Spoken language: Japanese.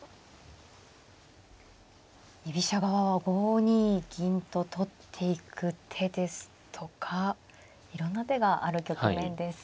居飛車側は５二銀と取っていく手ですとかいろんな手がある局面です。